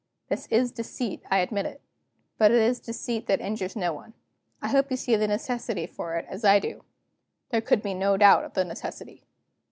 This is deceit, I admit; but it is deceit that injures no one. I hope you see the necessity for it, as I do." There could be no doubt of the necessity.